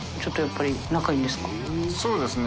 そうですね。